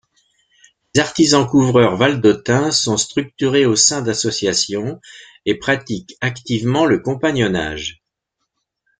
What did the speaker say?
Les artisans couvreurs valdôtains sont structurés au sein d'associations et pratiquent activement le compagnonnage.